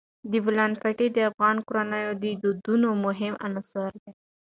د بولان پټي د افغان کورنیو د دودونو مهم عنصر دی.